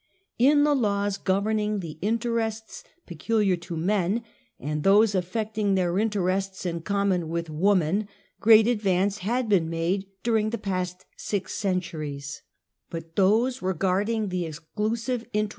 In the laws governing the interests peculiar to men, and those affecting their interests in common with woman, great advance had been made during the past six centuries, but those regarding the exclusive inter 140 Half a Centuky.